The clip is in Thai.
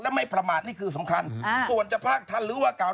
และไม่พระมาทนี่คือสำคัญส่วนเฉพาะท่านหรือว่ากาว